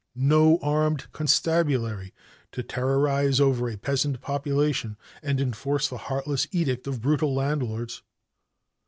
No armed 'constabulary' to terrorize over a peasant population and enforce the heartless edict of brutal landlords.